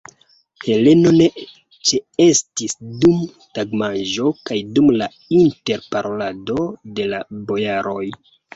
Heleno ne ĉeestis dum tagmanĝo kaj dum la interparolado de la bojaroj.